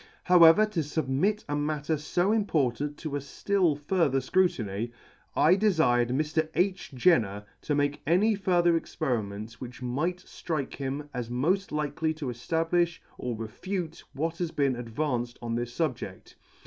However, to fubmit a matter fo important to a ftill further ferutiny, I defired Mr. H. Jenner to make any further experiments which might flrikehim as moft likely to eftablifh or refute what had been advanced on this fubjedt.